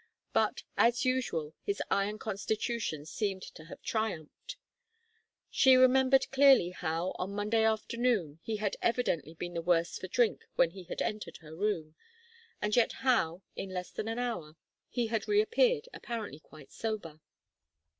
But, as usual, his iron constitution seemed to have triumphed. She remembered clearly how, on Monday afternoon, he had evidently been the worse for drink when he had entered her room, and yet how, in less than an hour, he had reappeared apparently quite sober.